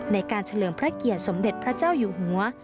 ในการเฉลิมพระเกียรติสมเด็จพระเจ้าอยู่หัว